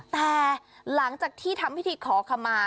แต่หลังจากที่ทำพิธีขอขมา